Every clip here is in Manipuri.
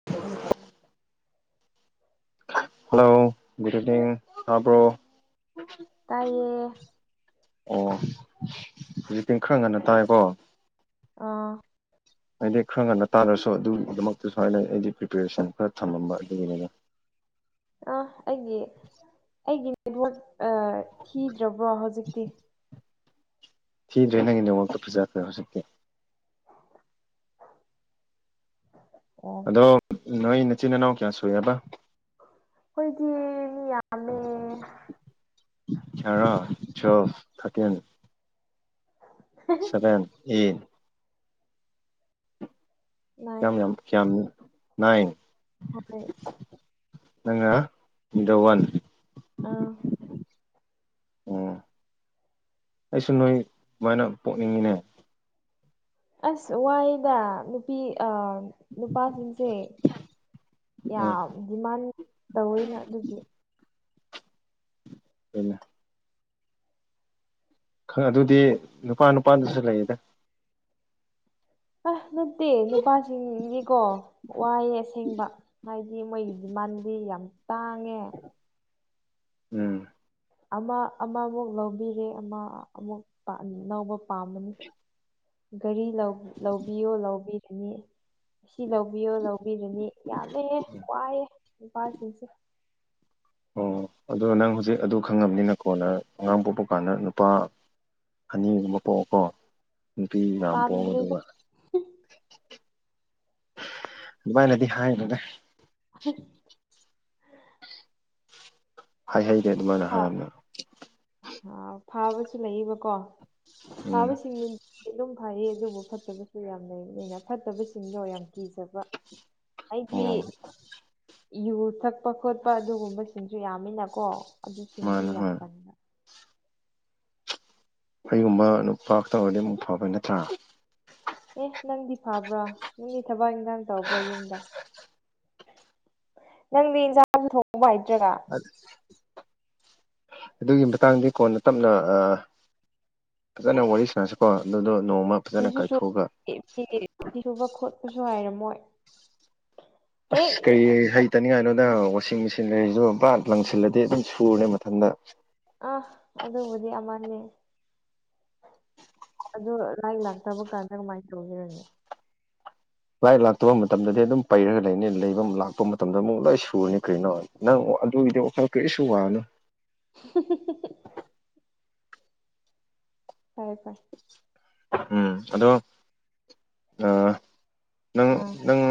[unintelligible] ꯍꯜꯂꯣ [unintelligible] ꯇꯥꯕ꯭ꯔꯣ ꯇꯥꯏꯌꯦ ꯑꯣ ꯍꯧꯖꯤꯛꯇꯤ ꯈꯔ ꯉꯥꯟꯅ ꯇꯥꯏꯀꯣ ꯑꯥ ꯍꯥꯏꯗꯤ ꯈꯔ ꯉꯟꯅ ꯇꯥꯔꯁꯨ ꯑꯗꯨꯝ ꯑꯗꯨꯝꯃꯛꯇꯤ ꯑꯩꯗꯤ ꯄ꯭ꯔꯤꯄꯦꯔꯦꯁꯟ ꯈꯔ ꯊꯝꯃꯝꯕꯥ ꯑꯗꯨꯒꯤꯅꯤꯗ ꯑꯥ ꯑꯩꯒꯤ ꯑꯩꯒꯤ ꯅꯦꯠꯋꯥꯛ ꯑꯥ ꯊꯤꯗ꯭ꯔꯕ꯭ꯔꯣ ꯍꯧꯖꯤꯛꯇꯤ ꯊꯤꯗ꯭ꯔꯦ ꯅꯪꯒꯤ ꯅꯦꯋꯥꯛꯇꯣ ꯐꯤꯖꯈꯔꯥ ꯍꯧꯖꯤꯛꯇꯤ ꯑꯣ ꯑꯗꯣ ꯅꯣꯏ ꯅꯥꯆꯤꯟ ꯅꯅꯥꯎ ꯀꯌꯥ ꯁꯨꯏꯌꯦꯕꯥ ꯈꯣꯏꯗꯤ ꯃꯤ ꯌꯥꯝꯃꯦ [unintelligible] twelve thirteen seven eight nine ꯌꯥꯝ ꯌꯥꯝ ꯀꯌꯥꯝ ꯅꯥꯏꯜ ꯍꯣꯏ ꯅꯪꯅꯥ ꯃꯤꯗꯟ ꯋꯥꯟ ꯑꯥ ꯎꯝ ꯑꯩꯁꯨ ꯅꯣꯏ ꯗꯨꯃꯥꯏꯅ ꯄꯣꯛꯅꯤꯡꯉꯤꯅꯦ ꯑꯁ ꯋꯥꯏꯗ ꯅꯨꯄꯤ ꯑꯥ ꯅꯨꯄꯥꯁꯤꯡꯁꯦ ꯎꯝ ꯌꯥꯝ ꯗꯤꯃꯥꯟ ꯇꯧꯋꯦꯅ ꯑꯗꯨꯒꯤ [unintelligible] ꯈꯔꯥ ꯑꯗꯨꯗꯤ ꯅꯨꯄꯥ ꯅꯨꯄꯥꯗꯁꯨ ꯂꯩꯗꯥ ꯑꯩ ꯅꯠꯇꯦ ꯅꯨꯄꯥꯁꯤꯡꯗꯤꯀꯣ ꯋꯥꯏꯑꯦ ꯑꯁꯦꯡꯕ ꯁꯤ ꯃꯣꯏꯒꯤ ꯗꯤꯃꯥꯟꯗꯤ ꯌꯥꯝ ꯇꯥꯡꯉꯦ ꯎꯝ ꯑꯃ ꯑꯃꯃꯨꯛ ꯂꯧꯕꯤꯔꯦ ꯑꯃ ꯑꯃꯨꯛ ꯂꯧꯕ ꯄꯥꯃꯅꯤ ꯒꯥꯔꯤ ꯂꯧꯕꯤꯌꯣ ꯂꯧꯕꯤꯔꯅꯤ ꯑꯁꯤ ꯂꯧꯕꯤꯌꯣ ꯂꯧꯕ ꯆꯥꯕꯤꯔꯨꯅꯤ ꯌꯥꯝꯃꯦ ꯋꯥꯏꯑꯦ ꯅꯨꯄꯥꯁꯤꯡꯁꯦ ꯑꯣ ꯑꯗꯣ ꯅꯪ ꯍꯧꯖꯤꯛ ꯑꯗꯨ ꯈꯪꯉꯕꯅꯤꯅꯀꯣ ꯅꯪ ꯑꯉꯥꯡ ꯄꯣꯛꯄ ꯀꯥꯟꯗ ꯅꯨꯄꯥ ꯑꯅꯤꯒꯨꯝꯕ ꯄꯣꯛꯑꯣꯀꯣ ꯅꯨꯄꯤ ꯃꯌꯥꯝ ꯑꯃ ꯄꯣꯛꯑꯒ ꯄꯥꯝꯗ꯭ꯔꯦꯗ ꯑꯗꯨꯒ ꯑꯗꯨꯃꯥꯏꯅꯗꯤ ꯍꯥꯏꯅꯅꯦ ꯑ ꯍꯥꯏ ꯍꯩꯔꯦ ꯑꯗꯨꯃꯥꯏꯅ ꯍꯔꯅ ꯑ ꯐꯥꯕꯁꯨ ꯂꯩꯌꯦꯕꯀꯣ ꯎꯝ ꯐꯥꯕꯁꯤꯡ ꯑꯗꯨꯝ ꯐꯩꯌꯦ ꯑꯗꯨꯕꯨ ꯐꯠꯇꯕꯁꯨ ꯌꯥꯝ ꯂꯩꯅꯤꯅ ꯐꯠꯇꯕꯁꯤꯡꯗꯣ ꯌꯥꯝ ꯀꯤꯖꯕ ꯑꯩꯗꯤ ꯑꯣ ꯌꯨ ꯊꯛꯄ ꯈꯣꯠꯄ ꯑꯗꯨꯒꯨꯝꯕꯁꯤꯡꯁꯨ ꯌꯥꯝꯃꯤꯅꯀꯣ ꯑꯗꯨꯁꯤꯡꯗꯤ ꯃꯥꯅꯦ ꯌꯥꯝ ꯍꯣꯏ ꯐꯅ ꯑꯩꯒꯨꯝꯕ ꯅꯨꯄꯥ ꯇꯧꯔꯗꯤ ꯑꯃꯨꯛ ꯐꯕꯩ ꯅꯠꯇ꯭ꯔꯥ ꯑꯦ ꯅꯪꯗꯤ ꯐꯕ꯭ꯔꯣ ꯅꯪꯗꯤ ꯊꯕꯛ ꯏꯟꯈꯥꯡ ꯇꯧꯕ꯭ꯔꯣ ꯌꯨꯝꯗ ꯅꯪꯗꯤ ꯏꯟꯁꯥꯡꯁꯨ ꯊꯣꯡꯎꯧꯕ ꯍꯩꯇ꯭ꯔꯒ ꯑꯗꯨꯒꯤ ꯃꯇꯥꯡꯗꯤ ꯀꯣꯟꯅ ꯇꯞꯅ ꯐꯖꯅ ꯋꯥꯔꯤ ꯁꯥꯥꯟꯅꯁꯤꯀꯣ ꯑꯗꯨꯗꯣ ꯅꯣꯡꯃ ꯐꯖꯅ ꯐꯤꯁꯨ ꯁꯨ ꯀꯥꯏꯊꯣꯛꯑꯒ ꯐ ꯐꯤ ꯁꯨꯕ ꯈꯣꯠꯄꯁꯨ ꯍꯥꯏꯔꯝꯃꯣꯏ ꯑꯁ ꯀꯔꯤ ꯍꯩꯇꯅꯤꯡꯉꯥꯏꯅꯣꯗ ꯋꯥꯁꯤꯡ ꯃꯦꯆꯤꯟ ꯁꯤꯂꯔꯤꯁꯨ ꯄꯥꯠ ꯂꯪꯁꯤꯜꯂꯗꯤ ꯑꯗꯨꯝ ꯁꯨꯔꯦ ꯃꯊꯗ ꯑ ꯑꯗꯨ ꯑꯗꯨꯕꯨꯗꯤꯃꯅꯤꯦ ꯑꯗꯣ ꯂꯥꯏꯔꯤꯛ ꯂꯥꯛꯇꯕ ꯀꯥꯟꯗ ꯀꯃꯥꯏꯅ ꯇꯧꯔꯅꯤ ꯂꯥꯏ ꯂꯥꯛꯇꯕ ꯃꯇꯝꯗꯗꯤ ꯑꯗꯨꯝ ꯄꯩꯔꯒ ꯂꯩꯅꯤ ꯂꯩꯕ ꯂꯥꯛꯄ ꯃꯇꯝꯗ ꯑꯃꯨꯛ ꯂꯣꯏ ꯁꯨꯔꯅꯤ ꯀꯩꯅꯣ ꯅꯪ ꯑꯗꯨꯒꯤꯗꯤ ꯋꯥꯈꯜ ꯀꯔꯤꯁꯨ ꯋꯥꯅꯣ ꯍꯨꯝ ꯍꯨꯝ ꯐꯔꯦ ꯐꯥꯏꯦ ꯎꯝ ꯑꯗꯣ ꯅꯪ ꯑꯥ ꯅꯪ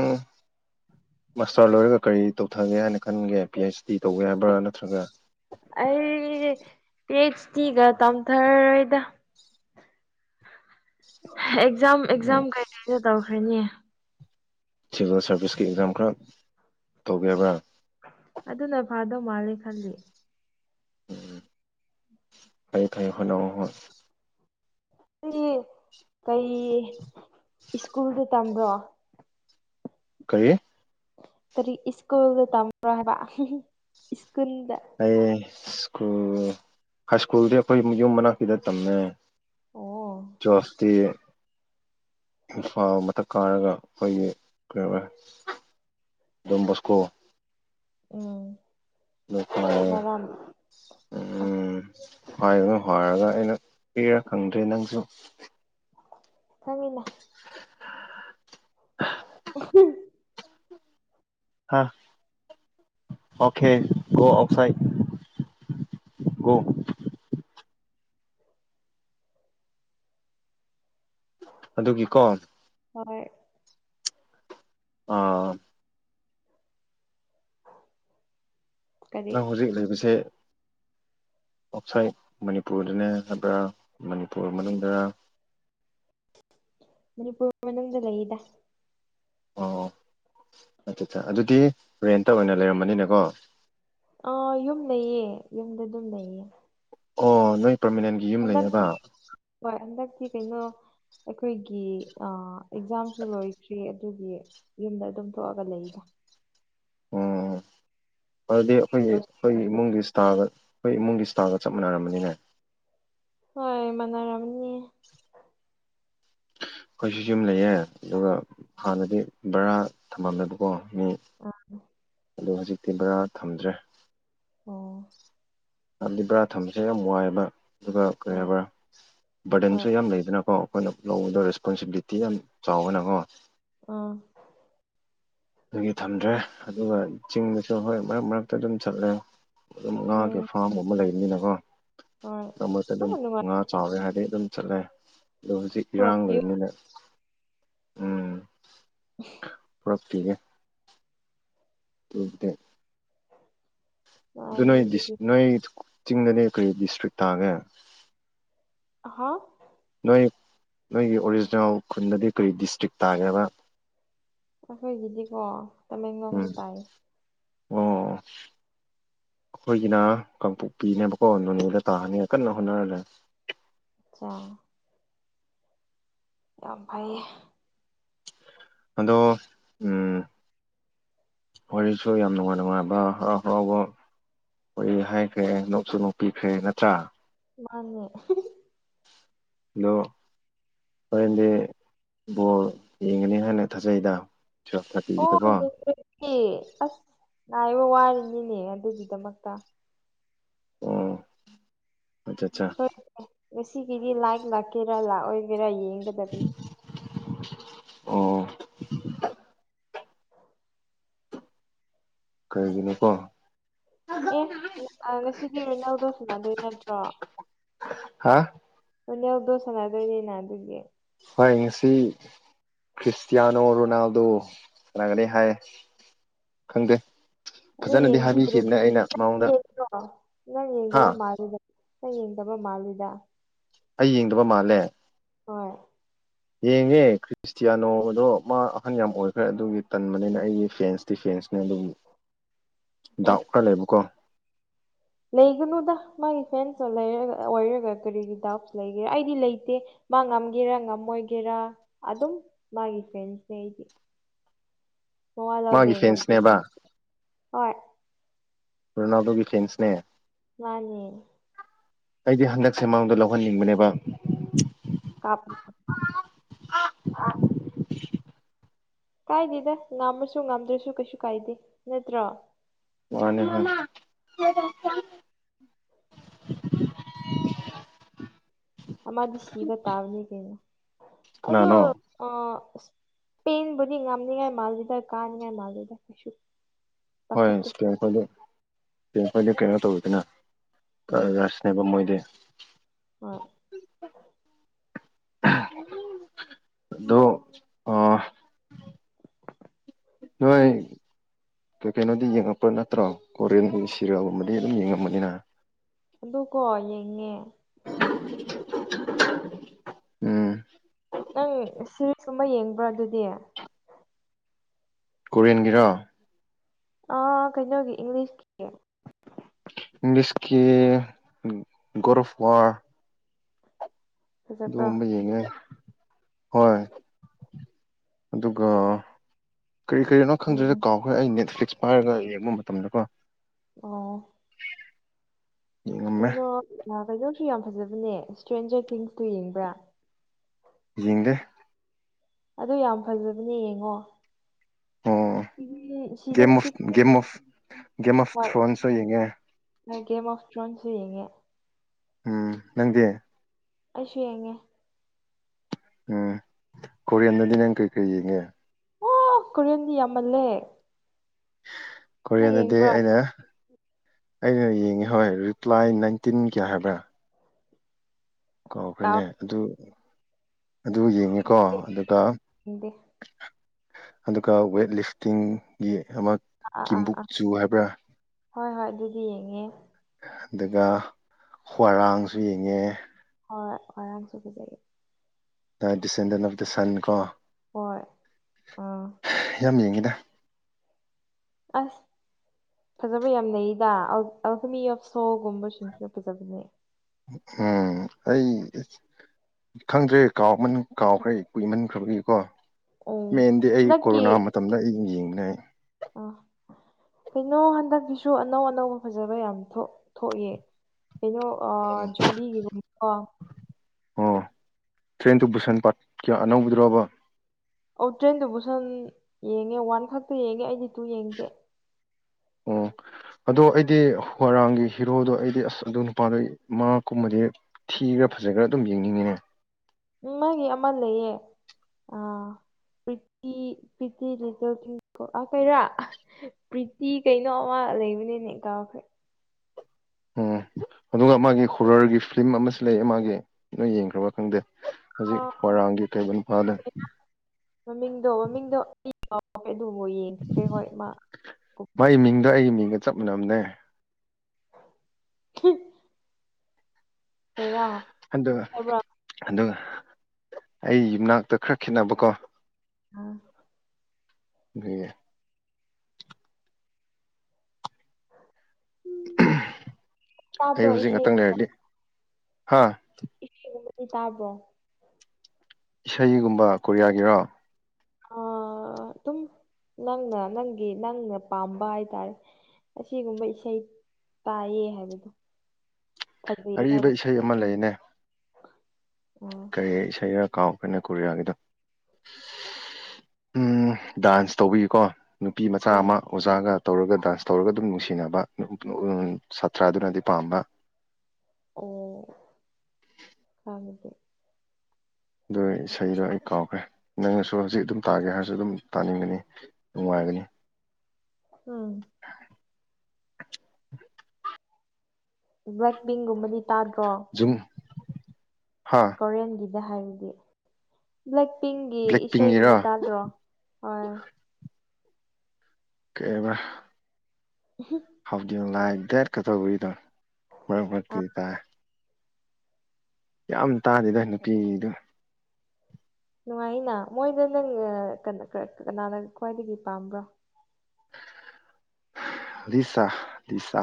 ꯃꯥꯁꯇꯔ ꯂꯣꯏꯔꯒ ꯀꯔꯤ ꯇꯧꯊꯒꯦ ꯍꯥꯏꯅ ꯈꯟꯒꯦ ꯄꯤ ꯑꯩꯆ ꯗꯤ ꯇꯧꯕ ꯌꯥꯕ꯭ꯔꯥ ꯅꯠꯇ꯭ꯔꯒ ꯑꯩ ꯇꯖꯇꯤꯒ ꯇꯝ ꯊꯔꯗ [inaudible] ꯑꯦꯛꯖꯥꯝ ꯑꯦꯛꯖꯥꯝ ꯀꯩꯀꯗ ꯇꯧꯈ꯭ꯔꯦꯅꯦ ꯁꯤꯚꯤꯜ ꯁꯥꯔꯚꯤꯁꯀꯤ ꯑꯦꯛꯖꯥꯝ ꯈꯔ ꯇꯧꯒꯕ꯭ꯔꯥ ꯑꯗꯨꯅ ꯐꯥꯗꯧ ꯃꯥꯜꯂꯦ ꯈꯜꯂꯤ ꯎꯝ ꯐꯌꯦ ꯐꯩ ꯍꯅ ꯍꯣꯏ ꯑꯩ ꯀꯩ ꯁ꯭ꯀꯨꯜꯗ ꯇꯝꯕ꯭ꯔꯣ ꯀꯩ ꯀꯔꯤ ꯁ꯭ꯀꯨꯜꯗ ꯇꯝꯃꯔꯣ ꯍꯥꯏꯕ ꯁꯀꯨꯜꯗ ꯑꯩ ꯁ꯭ꯀꯨꯜ ꯍꯥꯏ ꯁ꯭ꯀꯨꯜꯗꯤ ꯑꯩꯈꯣꯏ ꯌꯨꯝ ꯃꯅꯥꯛꯛꯇꯗ ꯇꯝꯃꯦ ꯑꯣ ꯆ꯭ꯁꯇꯤ ꯏꯝꯐꯥ ꯃꯊꯛ ꯀꯥꯔꯒ ꯑꯩꯈꯣꯏꯒꯤ ꯀꯩꯅꯋ ꯗꯣꯟꯕꯣꯁꯀꯣ ꯑ [unintelligible] ꯑ ꯎꯝ ꯍꯥꯏꯒꯅꯨ ꯍꯥꯏꯔꯒ ꯑꯩꯅ ꯄꯤꯔ ꯈꯪꯗ꯭ꯔꯦ ꯅꯪꯁꯨ ꯈꯪꯉꯤꯅꯦ [inaudible] [unintelligible] ꯍꯥꯥ ꯑꯣꯀꯦ ꯒꯣ ꯑꯥꯎꯁꯥꯏꯠ ꯒꯣ ꯑꯗꯨꯒꯤꯀꯣ ꯍꯣꯏ ꯑꯥ ꯀꯔꯤ ꯅꯪ ꯍꯧꯖꯤꯛ ꯂꯩꯕꯁꯦ ꯑꯥꯎꯠꯁꯥꯏꯠ ꯃꯅꯤꯄꯨꯔꯗꯅꯦ ꯍꯥꯏꯕ꯭ꯔꯥ ꯃꯅꯤꯄꯨꯔ ꯃꯅꯨꯡꯗꯔꯥ ꯃꯅꯤꯄꯨꯔ ꯃꯅꯨꯡꯗ ꯂꯩꯗ ꯑꯣ ꯑꯗꯨꯗ ꯑꯗꯨꯗꯤ ꯔꯦꯟꯇ ꯑꯣꯏꯅ ꯂꯩꯔꯝꯃꯥꯅꯤꯅꯦꯀꯣ ꯑꯥ ꯌꯨꯝ ꯂꯩꯌꯦ ꯌꯨꯝꯗ ꯑꯗꯨꯝ ꯂꯩꯌꯦ ꯑꯣ ꯅꯣꯏ ꯄꯔꯃꯤꯅꯦꯟ ꯍꯟꯗꯛꯀꯤ ꯍꯣꯏ ꯍꯟꯗꯛꯀꯤ ꯀꯩꯅꯣ ꯑꯩꯈꯣꯏꯒꯤ ꯑꯥ ꯑꯦꯛꯖꯥꯝꯁꯨ ꯂꯣꯏꯈ꯭ꯔꯦ ꯑꯗꯨꯒꯤ ꯌꯨꯝꯗ ꯑꯗꯨꯝ ꯊꯣꯛꯑꯒ ꯂꯩꯗ ꯑꯣ ꯑꯗꯨꯗꯤ ꯑꯩꯈꯣꯏꯒꯤ ꯑꯩꯈꯣꯏꯒꯤ ꯏꯃꯨꯡꯒꯤ ꯏꯁꯇꯥꯗ ꯈꯣꯏ ꯏꯃꯨꯡꯒꯤ ꯁ꯭ꯇꯥꯜꯒ ꯆꯞ ꯃꯥꯟꯅꯔꯝꯃꯅꯤꯅꯦ ꯍꯣꯏ ꯃꯥꯟꯅꯔꯝꯅꯤ ꯑꯩꯈꯣꯏꯁꯨ ꯌꯨꯝ ꯂꯩꯌꯦ ꯑꯗꯨꯒ ꯍꯥꯟꯅꯗꯤ ꯕꯔꯥ ꯊꯝꯃꯝꯃꯦꯕ ꯀꯣ ꯃꯤ ꯑ ꯑꯗꯨ ꯍꯧꯖꯤꯛꯇꯤ ꯕꯔꯥ ꯊꯝꯗ꯭ꯔꯦ ꯑꯣ ꯕꯥꯔꯥ ꯊꯝꯕꯁꯦ ꯌꯥꯝ ꯋꯥꯏꯕ ꯑꯗꯨꯒ ꯀꯔꯤ ꯑꯣ ꯍꯥꯏꯕ꯭ꯔꯥ ꯕꯔꯗꯟꯁꯨ ꯍꯣꯏ ꯌꯥꯝ ꯂꯩꯗꯅꯀꯣ ꯑꯩꯈꯣꯏꯅ ꯂꯧꯕꯗ ꯔꯦꯁꯄꯣꯟꯁꯤꯕꯤꯂꯤꯇꯤ ꯌꯥꯝ ꯆꯥꯎꯋꯦꯅꯀꯣ ꯑꯥ ꯑꯗꯨꯒꯤ ꯊꯝꯗ꯭ꯔꯦ ꯑꯗꯨꯒ ꯆꯤꯡꯗꯁꯨ ꯍꯣꯏ ꯃꯔꯛ ꯃꯔꯛꯇ ꯑꯗꯨꯝ ꯆꯠꯂꯦ ꯑꯗꯨꯝ ꯎꯝ ꯉꯥꯒꯤ ꯐꯥꯝꯒꯨꯝꯕ ꯂꯩꯕꯅꯤꯅꯀꯣ ꯍꯣꯏ ꯃꯔꯛ ꯃꯔꯛꯇ ꯌꯥꯝ ꯑꯗꯨꯝ ꯅꯨꯡꯉꯥꯏ ꯉꯥ ꯍꯥꯏꯗꯤ ꯑꯗꯨꯝ ꯆꯠꯂꯦ ꯑꯗꯣ ꯍꯧꯖꯤꯛ ꯏꯔꯥꯡ ꯄꯨꯔꯛꯄꯤꯌꯨ ꯂꯩꯕꯅꯤꯅ [unintelligible] ꯀꯤꯔꯦ [unintelligible] ꯑꯗꯨ ꯅꯨꯡꯉꯥꯏꯅꯤ ꯅꯣꯏ ꯗꯤꯁ ꯑꯗꯨꯗꯤ ꯅꯣꯏ ꯆꯤꯡꯗꯗꯤ ꯀꯔꯤ ꯗꯤꯁꯇ꯭ꯔꯤꯛ ꯇꯥꯒꯦ ꯍꯥ ꯅꯣꯏ ꯅꯣꯏꯒꯤ ꯑꯣꯔꯤꯖꯤꯅꯦꯜ ꯈꯨꯟꯗꯗꯤ ꯀꯔꯤ ꯗꯤꯁꯇ꯭ꯔꯤꯛ ꯇꯥꯒꯦꯕ ꯑꯩꯈꯣꯏꯒꯤꯗꯤꯀꯣ ꯎꯝ ꯇꯃꯦꯡꯂꯣꯡꯗ ꯇꯥꯏꯌꯦ ꯑꯣ ꯑꯩꯈꯣꯏꯒꯤꯅ ꯀꯥꯡꯄꯣꯛꯄꯤꯅꯦꯕꯀꯣ ꯅꯣꯅꯦꯗ ꯇꯥꯍꯟꯅꯤꯉꯥꯏ ꯀꯟꯅ ꯍꯣꯠꯅꯔꯂꯩ ꯑꯆꯥ ꯌꯥꯝ ꯐꯩꯌꯦ ꯑꯗꯣ ꯎꯝ ꯋꯥꯔꯤꯁꯨ ꯌꯥꯝ ꯅꯨꯡꯉꯥꯏ ꯅꯨꯡꯉꯥꯏꯕ ꯍꯔꯥꯎ ꯍꯔꯥꯎꯕ ꯑꯣꯏ ꯍꯥꯏꯈ꯭ꯔꯦ ꯅꯣꯛꯁꯨ ꯅꯣꯛꯄꯤꯈ꯭ꯔꯦ ꯅꯠꯇ꯭ꯔꯥ ꯃꯥꯅꯦ ꯑꯗꯣ ꯍꯣꯔꯦꯟꯗꯤ ꯕꯣꯜ ꯌꯦꯡꯒꯅꯤ ꯍꯥꯏꯅ ꯊꯥꯖꯩꯗ ꯇꯨꯋꯦꯜꯞ ꯍꯣꯏ ꯊꯥꯔꯇꯤꯒꯤꯗꯀꯣ ꯌꯦꯡꯗꯣꯏꯅꯦ ꯑꯁ ꯉꯥꯏꯕ ꯋꯥꯔꯤꯅꯤꯅꯦ ꯑꯗꯨꯒꯤꯗꯃꯛꯇ ꯑꯣ ꯑꯠꯆꯥ ꯑꯠꯆꯥ ꯁꯣꯏꯗꯔꯦ ꯉꯁꯤꯒꯤꯗꯤ ꯂꯥꯏꯠ ꯂꯥꯛꯀꯦꯔꯥ ꯂꯥꯛꯑꯣꯏꯒꯦꯔꯥ ꯌꯦꯡꯒꯗꯕꯅꯤ ꯑꯣ ꯀꯩꯒꯤꯅꯣꯀꯣ ꯑꯦ ꯑꯥ ꯉꯁꯤꯗꯤ ꯔꯣꯅꯥꯜꯗꯣ ꯁꯅꯥꯗꯣꯏ ꯅꯠꯇ꯭ꯔꯣ ꯍꯥ ꯔꯣꯅꯦꯜꯗꯣ ꯁꯥꯟꯅꯗꯣꯏꯅꯤꯅ ꯑꯗꯨꯒꯤ ꯍꯣꯏ ꯉꯁꯤ ꯈ꯭ꯔꯤꯁꯇꯤꯌꯥꯅꯣ ꯔꯣꯅꯥꯜꯗꯣ ꯁꯅꯥꯒꯅꯤ ꯍꯥꯏ ꯈꯪꯗꯦ ꯑꯗꯣ ꯐꯖꯅꯗꯤ ꯍꯥꯏꯕꯤꯈꯤꯕꯅꯦ ꯌꯦꯡꯕꯤꯗ꯭ꯔꯦꯗꯨꯗꯤ ꯑꯩꯅ ꯃꯉꯣꯟꯗ ꯅꯪ ꯍꯥ ꯌꯦꯡꯗꯕ ꯃꯥꯜꯂꯤꯗ ꯅꯪ ꯌꯦꯡꯗꯕ ꯃꯥꯜꯂꯤꯗ ꯑꯩ ꯌꯦꯡꯗꯕ ꯃꯥꯜꯂꯦ ꯍꯣꯏ ꯌꯦꯡꯉꯦ ꯏꯁꯇꯤꯌꯥꯅꯣꯗꯣ ꯃꯥ ꯑꯍꯟ ꯌꯥꯝ ꯑꯣꯏꯈ꯭ꯔꯦ ꯑꯗꯨꯒꯤ ꯇꯟꯕꯅꯤꯅ ꯑꯩꯒꯤ ꯐꯦꯟꯁꯇꯤ ꯐꯦꯟꯁꯅꯦ ꯑꯗꯨꯒꯤ ꯑꯦ ꯗꯥꯎ ꯈꯔ ꯂꯩꯕꯀꯣ ꯂꯩꯒꯅꯨꯗ ꯃꯥꯒꯤ ꯐꯦꯟꯁꯇ ꯂꯩꯔ ꯑꯣꯏꯔꯒ ꯀꯔꯤꯒꯤ ꯗꯥꯎꯠꯁ ꯂꯩꯒꯦꯔ ꯑꯩꯗꯤ ꯂꯩꯇꯦ ꯃꯥ ꯉꯝꯒꯦꯔꯥ ꯉꯝꯃꯣꯏꯒꯦꯔꯥ ꯑꯗꯨꯝ ꯃꯥꯒꯤ ꯐ꯭ꯔꯦꯟꯁꯅꯦ ꯑꯩꯗꯤ ꯃꯋ ꯂꯧꯗꯦ ꯃꯥꯒꯤ ꯉꯝꯗ꯭ꯔꯁꯨ ꯐꯦꯟꯁꯅꯦꯕ ꯌꯥꯏ ꯍꯣꯏ ꯔꯣꯅꯥꯜꯗꯣꯒꯤ ꯐꯦꯡꯁꯅꯦ ꯃꯅꯦ ꯑꯩꯗꯤ ꯍꯟꯗꯛꯁꯦ ꯃꯥꯡꯗ ꯂꯧꯍꯟꯅꯤꯡꯕꯅꯦꯕ ꯀꯥꯄ ꯀꯥꯏꯗꯦꯗ ꯉꯥꯝꯃꯁꯨ ꯉꯥꯝꯗ꯭ꯔꯁꯨ ꯀꯩꯁꯨ ꯀꯥꯏꯗꯦ ꯅꯠꯇ꯭ꯔꯣ ꯃꯅꯤ ꯍꯣꯏ [unintelligible] ꯃꯥꯗꯤ ꯁꯤꯕ ꯇꯥꯕꯅꯤ ꯀꯩꯅꯣ ꯑꯗꯣ ꯀꯅꯥꯅꯣ ꯑ ꯄꯦꯟꯕꯨꯗꯤ ꯉꯝꯅꯤꯡꯉꯥꯏ ꯃꯥꯜꯁꯤꯗ ꯀꯥꯅꯤꯡꯉꯥꯏ ꯃꯥꯁꯤꯗ ꯀꯩꯁꯨ ꯍꯣꯏ ꯄꯥꯈꯠꯇꯦ ꯏꯁꯄꯦꯝ ꯈꯣꯏꯗ ꯏꯁꯄꯦꯝꯈꯣꯏꯗꯤ ꯀꯩꯅꯣ ꯇꯧꯕꯗꯅ ꯎꯝ ꯐꯁꯤ ꯍꯥꯏꯕ ꯃꯣꯏꯗꯤ ꯍꯣꯏ ꯑꯗꯣ ꯑ ꯍꯣꯏ ꯑꯣ ꯀꯩꯅꯣꯗꯤ ꯌꯦꯡꯉꯛꯄ ꯅꯠꯇ꯭ꯔꯣ ꯀꯣꯔꯤꯌꯟꯒꯨꯝꯕ ꯁꯤꯔꯦꯜꯒꯨꯝꯕꯗꯤ ꯑꯗꯨꯝ ꯌꯦꯡꯉꯃꯅꯤꯅ ꯑꯗꯨ ꯀꯣ ꯌꯦꯡꯉꯦ ꯎꯝ ꯅꯪ ꯁꯤꯔꯤꯁꯨꯝꯕ ꯌꯦꯡꯕ꯭ꯔꯥ ꯑꯗꯨꯗꯤ ꯀꯣꯔꯤꯌꯟꯒꯤꯔꯣ ꯑ ꯀꯩꯅꯣꯒꯦ ꯏꯪꯂꯤꯁ ꯀ ꯏꯪꯂꯤꯁꯀꯤ ꯒꯣꯔꯐꯋꯥ ꯐꯖꯕ꯭ꯔꯥ ꯑꯗꯣꯒꯨꯝꯕ ꯌꯦꯡꯉꯦ ꯍꯣꯏ ꯑꯗꯨꯒ ꯀꯔꯤ ꯀꯔꯤꯅꯣ ꯈꯪꯗꯔꯦꯀꯣ ꯎꯝ ꯑꯩꯈꯣꯏ ꯑꯩ ꯅꯦꯠꯐ꯭ꯂꯤꯛꯁ ꯄꯥꯏꯔꯒ ꯌꯦꯡꯕ ꯃꯇꯝꯗꯀꯣ ꯑꯣ ꯌꯦꯡꯉꯝꯃꯦ ꯀꯩꯅꯣ ꯀꯩꯅꯣꯁꯨ ꯌꯥꯝ ꯐꯖꯕꯅꯦ ꯏꯁꯇ꯭ꯔꯦꯟꯖꯔ ꯊꯤꯡꯁꯇꯨ ꯌꯦꯡꯕ꯭ꯔꯥ ꯌꯦꯡꯗꯦ ꯑꯗꯨ ꯌꯥꯝ ꯐꯖꯕꯅꯦ ꯌꯦꯡꯉꯣ ꯑꯣ season game of six game of game of ꯍꯣꯏ ꯊ꯭ꯔꯣꯟꯁꯨ ꯌꯦꯡꯉꯦ ꯒꯦꯝ ꯑꯣꯐ ꯊ꯭ꯔꯣꯟꯁꯨ ꯌꯦꯡꯏ ꯎꯝ ꯅꯪꯗꯤ ꯑꯩꯁꯨ ꯌꯦꯡꯉꯦ ꯎꯝ ꯀꯣꯔꯤꯌꯥꯟꯗꯗꯤ ꯅꯪ ꯀꯩ ꯀꯩ ꯌꯦꯡꯉꯦ ꯑꯣ ꯀꯔꯤꯌꯟꯅꯤ ꯌꯥꯝꯃꯜꯂꯦ ꯅꯪ ꯀꯣꯔꯤꯌꯥꯅꯗꯤ ꯌꯦꯡꯕ꯭ꯔꯣ ꯑꯩꯅ ꯑꯩꯅ ꯌꯦꯡꯉꯦ ꯍꯣꯏ ꯔꯤꯄ꯭ꯂꯥꯏ ꯅꯥꯏꯟꯇꯤꯟ ꯀꯌꯥ ꯍꯥꯏꯕ꯭ꯔꯥ ꯀꯧ ꯑꯩꯈꯣꯏꯅꯦ ꯀꯥꯎꯔꯦ ꯑꯗꯨ ꯑꯗꯨ ꯌꯦꯡꯉꯤꯀꯣ ꯑꯗꯨꯒ ꯌꯦꯡꯗꯦ ꯑꯗꯨꯒ ꯋꯦꯠ ꯂꯤꯐꯇꯤꯡꯒꯤ ꯑꯃ ꯑꯥ ꯑꯥ ꯑꯥ ꯑꯥ ꯀꯤꯝꯕꯨꯛꯆꯨ ꯍꯥꯏꯕ꯭ꯔꯥ ꯍꯣꯏ ꯍꯣꯏ ꯑꯗꯨꯗꯤ ꯌꯦꯡꯉꯦ ꯑꯗꯨꯒ ꯍ꯭ꯋꯥꯔꯥꯡꯁꯨ ꯌꯦꯡꯉꯦ ꯍꯣꯏ ꯍꯔꯥꯡ ꯐꯖꯕꯅꯤ ꯗꯤꯁꯦꯟꯗꯔ ꯑꯣꯐ ꯗ ꯁꯟ ꯀꯣ ꯍꯣꯏ ꯑꯥ ꯌꯥꯝ ꯌꯦꯡꯉꯤꯗ꯫ ꯑꯁ ꯐꯖꯕ ꯌꯥꯝꯅꯩꯗ ꯑꯜꯍꯃꯤ ꯌꯞꯁꯣꯒꯨꯝꯕꯁꯤꯡꯁꯤꯅ ꯐꯖꯕꯅꯦ꯫ ꯎꯝ ꯑꯩ ꯈꯪꯗ꯭ꯔꯦ ꯀꯥꯎꯃꯟ ꯀꯥꯎꯈ꯭ꯔꯦ ꯀꯨꯏꯃꯟꯈ꯭ꯔꯕꯒꯤ ꯀꯣ ꯎꯝ ꯃꯦꯟꯗꯤ ꯑꯩ ꯅꯪꯒꯤ ꯀꯣꯔꯣꯅꯥ ꯃꯇꯝꯗ ꯑꯩ ꯌꯦꯡꯅꯩ꯫ ꯑ ꯀꯩꯅꯣ ꯍꯟꯗꯛꯀꯤꯁꯨ ꯑꯅꯧ ꯑꯅꯧꯕ ꯐꯖꯕ ꯌꯥꯝ ꯊꯣꯛ ꯊꯣꯛꯑꯦ ꯀꯩꯅꯣ ꯑ ꯑꯩ ꯌꯨꯝꯕꯤꯒꯤꯒꯨꯝꯕ ꯑꯣ ꯇ꯭ꯔꯦꯟꯗꯨ ꯕꯨꯁꯟ ꯄꯥꯠꯀꯤ ꯑꯅꯧꯕꯤꯗꯨ꯭ꯔꯣꯕ? ꯑꯧ ꯇ꯭ꯔꯦꯟꯗꯨꯕꯨ ꯁꯟ ꯌꯦꯡꯉꯦ ꯋꯥꯟ ꯈꯛꯇ ꯌꯦꯡꯉꯦ ꯑꯩꯗꯤ ꯇꯨ ꯌꯦꯡꯗꯦ꯫ ꯑꯣ ꯑꯗꯣ ꯑꯩꯗꯤ ꯍꯔꯥꯡꯒꯤ ꯍꯤꯔꯣꯗꯣ ꯑꯩꯗꯤ ꯑꯁ ꯑꯗꯨ ꯅꯨꯄꯥꯗꯣ ꯏ ꯃꯥ ꯀꯨꯝꯕꯗꯤ ꯊꯤ ꯈ꯭ꯔ ꯐꯖꯈ꯭ꯔ ꯑꯗꯨꯝ ꯌꯦꯡꯅꯤꯡꯉꯤꯅꯦ꯫ ꯎ ꯃꯥꯒꯤ ꯑꯃ ꯂꯩꯌꯦ ꯑꯥ ꯄꯔꯤꯇ ꯄꯔꯤꯇ ꯂꯤꯇꯜ ꯇꯤꯡ ꯑ ꯀꯩꯔꯥ ꯄ꯭ꯔꯤꯇꯤ ꯀꯩꯅꯣ ꯑꯃ ꯂꯩꯕꯅꯦꯅꯦ ꯀꯥꯎꯈꯦ꯫ ꯎꯝ ꯑꯗꯨꯒ ꯃꯥꯒꯤ ꯍꯣꯔꯔꯒꯤ ꯐꯤꯂꯝ ꯑꯃꯁꯨ ꯂꯩ ꯃꯥꯒꯤ ꯅ ꯌꯦꯡꯈ꯭ꯔꯕꯥ ꯈꯪꯗꯦ꯫ ꯍꯧꯖꯤꯛ ꯑꯥ ꯋꯥꯔꯥꯡꯒꯤ ꯀꯩꯕꯜ ꯐꯥꯂꯦ ꯃꯃꯤꯡꯗꯣ ꯃꯃꯤꯡꯗꯣ ꯑꯩ ꯀꯥꯎꯈꯔꯦ ꯑꯗꯨꯕ ꯌꯦꯡꯗ꯭ꯔꯦ ꯍꯣꯏ ꯃꯥ ꯎꯗꯣ ꯃꯥꯒꯤ ꯃꯤꯡꯗꯣ ꯑꯩꯒꯤ ꯃꯤꯡꯒ ꯆꯞ ꯃꯥꯟꯅꯝꯅꯦ꯫ ꯍꯍ ꯑ ꯍꯥꯏꯕ꯭ꯔꯥ ꯑꯩ ꯌ ꯌꯨꯝꯅꯥꯛꯇ ꯈꯔ ꯈꯦꯠꯅꯕꯀꯣ꯫ ꯑ ꯍ ꯑꯩ ꯇꯥꯕ꯭ꯔꯣ ꯍꯧꯖꯤꯛ ꯏꯁꯩ ꯉꯥꯛꯇꯪ ꯂꯩꯔꯛꯂꯤ ꯍꯥ? ꯏꯁꯗꯤ ꯇꯥꯕꯔꯣ? ꯏꯁꯩꯒꯨꯝꯕ ꯀꯣꯔꯤꯌꯥꯒꯤꯔꯣ? ꯑ ꯑꯗꯨꯝ ꯅꯪꯅ ꯅꯪꯒꯤ ꯅꯪꯅ ꯄꯥꯝꯕ ꯍꯥꯏꯇꯥꯔꯦ꯫ ꯑꯁꯤꯒꯨꯝꯕ ꯏꯁꯩ ꯇꯥꯏꯌꯦ ꯍꯥꯏꯕꯗꯣ꯫ ꯑꯔꯤꯕ ꯏꯁꯩ ꯑꯃ ꯂꯩꯅꯦ꯫ ꯎꯝ ꯀ ꯏꯁꯩꯔꯥ ꯀꯥꯎ ꯑꯩꯈꯣꯏꯅ ꯀꯣꯔꯤꯌꯥꯒꯤꯗꯣ꯫ ꯎꯝ ꯗꯥꯟꯁ ꯇꯧꯕꯤꯌꯨꯀꯣ ꯅꯨꯄꯤ ꯃꯆꯥ ꯑꯥ ꯑꯃ ꯑꯣꯖꯥꯒ꯫ ꯇꯧꯔꯒ ꯗꯥꯟꯁ ꯇꯧꯔꯒ ꯑꯗꯨꯝ ꯅꯨꯡꯁꯤꯅꯕ ꯁꯥꯇ꯭ꯔꯥꯗꯨꯅꯗꯤ ꯄꯥꯝꯕ꯫ ꯑꯣ ꯀꯗ ꯑꯗꯨ ꯏꯁꯩꯗꯣ ꯑꯩ ꯀꯥꯎꯈ꯭ꯔꯦ ꯅꯪꯅꯁꯨ ꯍꯧꯖꯤꯛ ꯑꯗꯨꯝ ꯇꯥꯒꯦ ꯍꯥꯏꯔꯁꯨ ꯑꯗꯨꯝ ꯇꯥꯅꯤꯡꯒꯅꯤ꯫ ꯅꯨꯡꯉꯥꯏꯒꯅꯤ꯫ ꯎꯝ ꯕ꯭ꯂꯦꯛ ꯄꯤꯡꯒꯨꯝꯕꯗꯤ ꯇꯥꯗ꯭ꯔꯣ ꯍꯥꯥ ꯍꯣꯔꯦꯟꯒꯤꯗ ꯍꯥꯏꯕꯗꯤ ꯕ꯭ꯂꯦꯛ ꯄꯤꯡꯒꯤ ꯕ꯭ꯂꯦꯛ ꯏꯁꯩꯒꯨꯝꯕ ꯄꯤꯡꯒꯤꯔꯣ ꯇꯥꯗ꯭ꯔꯣ? ꯍ ꯀꯩꯑꯕ ꯎꯍꯨꯝ ꯍꯥꯎ ꯗꯨ ꯌꯨ ꯂꯥꯏ ꯗꯦꯠ ꯀꯇꯧꯕꯩꯗꯣ ꯃꯔꯛ ꯑ ꯃꯔꯛꯇ ꯇꯥꯢ ꯌꯥꯝ ꯇꯥꯗꯦꯗ ꯅꯨꯄꯤꯒꯤꯗꯨ ꯅꯨꯡꯉꯥꯏꯅ ꯃꯣꯏꯗꯣ ꯅꯪ ꯑ ꯀꯟ ꯀ ꯀꯅꯥꯅ ꯈ꯭ꯋꯥꯏꯗꯒꯤ ꯄꯥꯝꯕ꯭ꯔꯣ ꯂꯤꯁꯥ ꯂꯤꯁꯥ